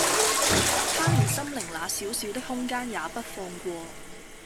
他連心靈那小小的空間也不放過